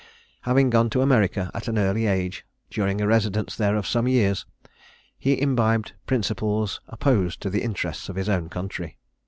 Having gone to America at an early age, during a residence there of some years, he imbibed principles opposed to the interests of his own country.